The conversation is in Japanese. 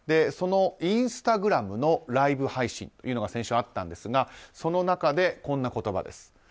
そのインスタグラムのライブ配信が先週あったんですがその中で、こんな言葉です。